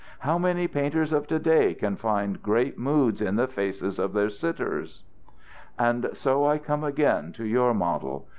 How many painters of to day can find great moods in the faces of their sitters? "And so I come again to your model.